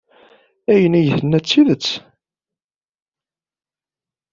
Ayen ay d-tenna d tidet.